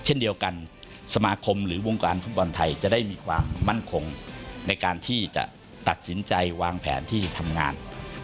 เช่นเดียวกันสมาคมหรือวงการฟุตบอลไทยจะได้มีความมั่นคงในการที่จะตัดสินใจวางแผนที่ทำงาน